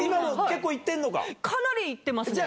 かなり行ってますね。